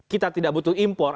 kita tidak butuh import